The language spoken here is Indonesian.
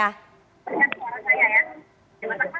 dengar suara saya ya